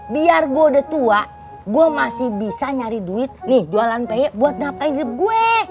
biar gue udah tua gue masih bisa nyari duit nih jualan peyek buat dapat hidup gue